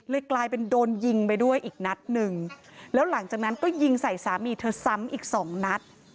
กลายเป็นโดนยิงไปด้วยอีกนัดหนึ่งแล้วหลังจากนั้นก็ยิงใส่สามีเธอซ้ำอีกสองนัด